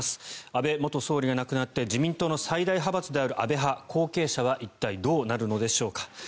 安倍元総理が亡くなって自民党の最大派閥である安倍派後継者は一体、どうなるのでしょうか。